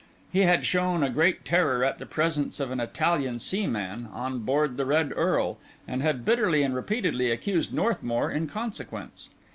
He had shown great terror at the presence of an Italian seaman on board the Red Earl, and had bitterly and repeatedly accused Northmour in consequence.